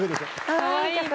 かわいい曲。